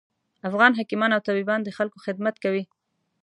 افغان حکیمان او طبیبان د خلکوخدمت کوي